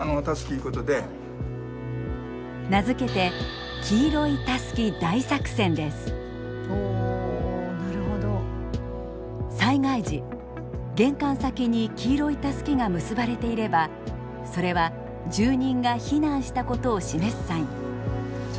名付けて災害時玄関先に黄色いタスキが結ばれていればそれは住人が避難したことを示すサイン。